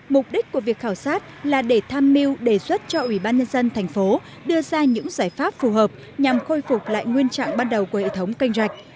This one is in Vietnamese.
mục đích của việc khảo sát là để tham mưu đề xuất cho ubnd tp hcm đưa ra những giải pháp phù hợp nhằm khôi phục lại nguyên trạng ban đầu của hệ thống canh rạch